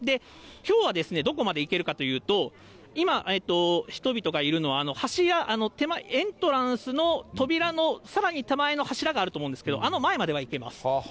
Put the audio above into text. きょうはどこまで行けるかというと、今、人々がいるのは、手前、エントランスの扉のさらに手前の柱があると思うんですけど、あの前までは行けます。